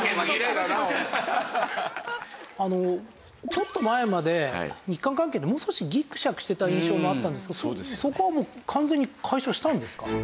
ちょっと前まで日韓関係ってもう少しギクシャクしてた印象もあったんですけどそこはもう完全に解消したんですか？